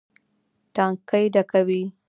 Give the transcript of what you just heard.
ټانکۍ ډکوي.